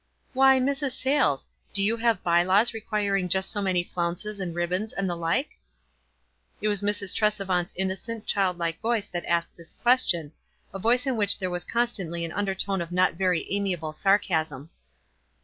"Why, Mrs. Sayies ! do you have by laws requiring just so many flounces and ribbons, and the like?" It was Mrs* Tresevant's innocent, child like voice that asked this question — a voice in which there was constantly an undertone of not very amiable sarcasm.